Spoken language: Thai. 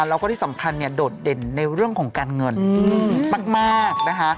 แล้วก็ที่สำคัญเนี่ยโดดเด่นในเรื่องของการเงินมากนะคะ